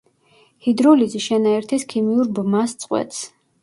ჰიდროლიზი შენაერთის ქიმიურ ბმას წყვეტს.